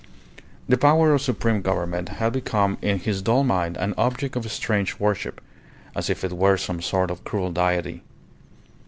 The power of Supreme Government had become in his dull mind an object of strange worship, as if it were some sort of cruel deity.